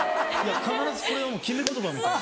必ずこれが決め言葉みたいな。